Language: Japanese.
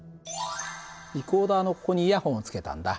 リコーダーのここにイヤホンをつけたんだ。